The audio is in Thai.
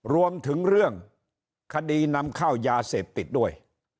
รวมถึงเรื่องคดีนำเข้ายาเสพติดด้วย